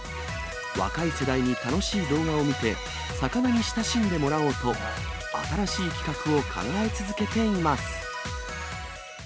若い世代に楽しい動画を見て、魚に親しんでもらおうと、新しい企画を考え続けています。